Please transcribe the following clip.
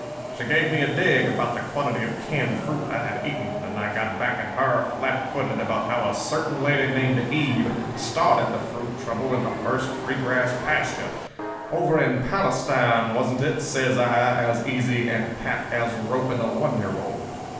She gave me a dig about the quantity of canned fruit I had eaten, and I got back at her, flat footed, about how a certain lady named Eve started the fruit trouble in the first free grass pasture—'Over in Palestine, wasn't it?' says I, as easy and pat as roping a one year old.